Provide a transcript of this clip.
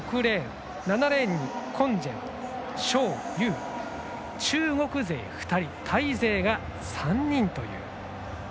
７レーンにコンジェン、章勇中国勢２人、タイ勢が３人。